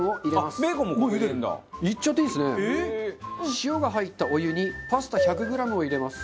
塩が入ったお湯にパスタ１００グラムを入れます。